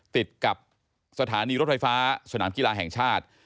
ติดกับสถานีรถไฟฟ้าสนามกีฬาแห่งชาติ